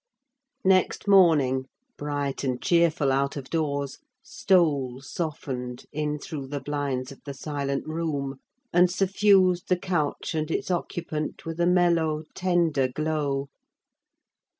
Next morning—bright and cheerful out of doors—stole softened in through the blinds of the silent room, and suffused the couch and its occupant with a mellow, tender glow.